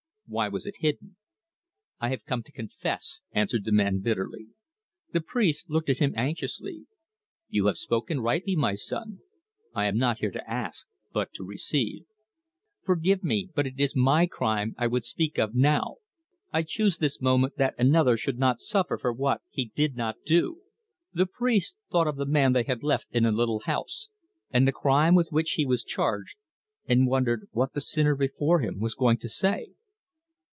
"Why was it hidden?" "I have come to confess," answered the man bitterly. The priest looked at him anxiously. "You have spoken rightly, my son. I am not here to ask, but to receive." "Forgive me, but it is my crime I would speak of now. I choose this moment that another should not suffer for what he did not do." The priest thought of the man they had left in the little house, and the crime with which he was charged, and wondered what the sinner before him was going to say.